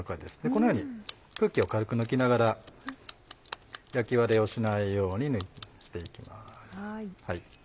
このように空気を軽く抜きながら焼き割れをしないようにしていきます。